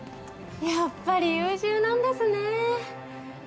やっぱり優秀なんですね